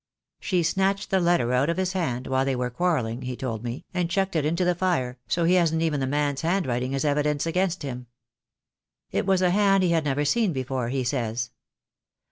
She snatched the letter out of his hand while they were quarrelling, he told me, and chucked it into the fire, so he hasn't even the man's handwriting as evidence against him. It was a hand he had never seen before, he says.